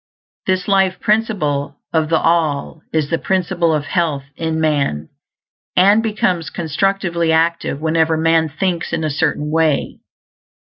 This Life Principle of the All is the Principle of Health in man, and becomes constructively active whenever man thinks in a certain way.